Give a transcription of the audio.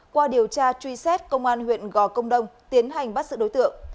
qua điều tra truy xét công an huyện gò công đông tiến hành bắt sự đối tượng